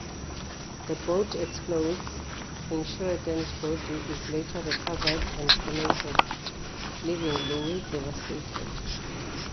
The boat explodes, and Sheridan's body is later recovered and cremated, leaving Luis devastated.